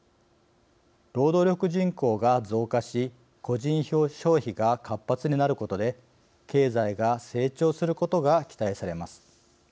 労働力人口が増加し個人消費が活発になることで経済が成長することが期待されます。